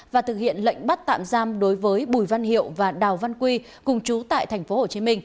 và thực hiện lệnh bắt tạm giam đối với bùi văn hiệu và đào văn quy cùng chú tại tp hcm